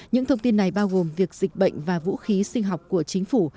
những thông tin này bao gồm việc dịch bệnh và vũ khí sinh học của chính phủ